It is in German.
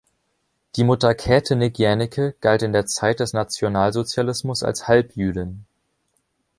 Die Mutter Käte Nick-Jaenicke galt in der Zeit des Nationalsozialismus als „Halbjüdin“.